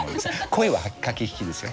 恋は駆け引きですよ。